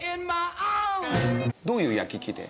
どういう焼き器で？